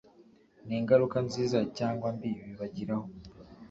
n'ingaruka nziza cyangwa mbi bibagiraho.